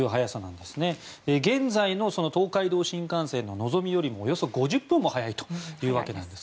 現在の東海道新幹線の「のぞみ」よりもおよそ５０分も早いというわけです。